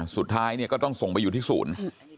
สุดท้ายเนี่ยก็ต้องส่งไปอยู่ที่ศูนย์